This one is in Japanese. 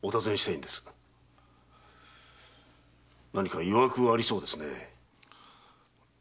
何か曰くがありそうですね。